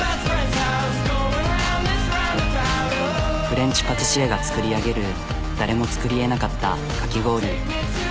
フレンチパティシエが作り上げる誰も作り得なかったかき氷。